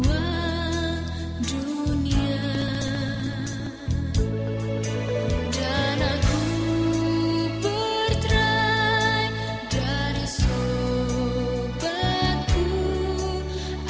adakah yesu l al registrus